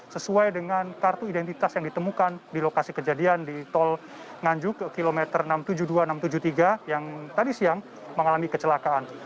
sesuai dengan kartu identitas yang ditemukan di lokasi kejadian di tol nganjuk kilometer enam ratus tujuh puluh dua enam ratus tujuh puluh tiga yang tadi siang mengalami kecelakaan